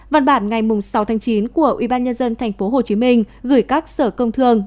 văn bản ngày sáu tháng chín của ubnd tp hcm gửi các sở công thương